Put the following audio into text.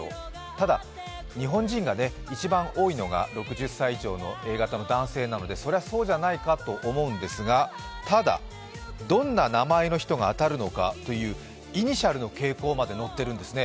ただ、日本人が一番多いのが６０歳以上のＡ型の男性なのでそれはそうじゃないかと思うんですが、ただ、どんな名前の人が当たるのかという、イニシャルの傾向まで載っているんですね。